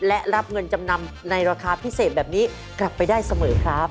และรับเงินจำนำในราคาพิเศษแบบนี้กลับไปได้เสมอครับ